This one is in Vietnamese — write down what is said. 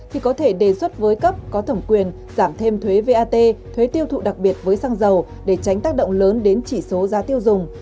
thì có thể đề xuất với cấp có thẩm quyền giảm thêm thuế vat thuế tiêu thụ đặc biệt với xăng dầu để tránh tác động lớn đến chỉ số giá tiêu dùng